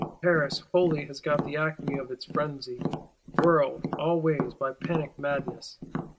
Paris wholly has got to the acme of its frenzy; whirled, all ways, by panic madness.